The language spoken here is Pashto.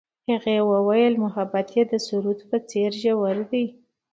هغې وویل محبت یې د سرود په څېر ژور دی.